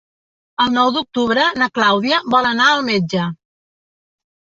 El nou d'octubre na Clàudia vol anar al metge.